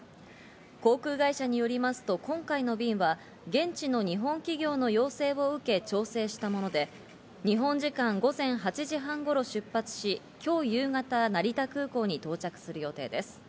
航空会社によりますと、今回の便は現地の日本企業の要請を受け調整したもので、日本時間午前８時半頃出発し、今日夕方成田空港に到着する予定です。